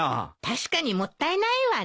確かにもったいないわね。